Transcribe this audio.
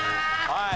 はい。